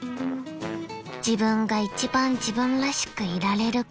［自分が一番自分らしくいられるから］